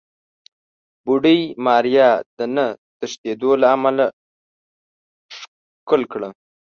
بوډۍ ماريا د نه تښتېدو له امله ښکل کړه.